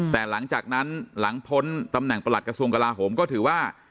แต่หลังจากนั้นหลังพ้นตำแหน่งประหลัดกระทรวงกลาโหมก็ถือว่า